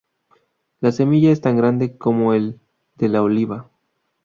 La semilla es tan grande como el de la oliva.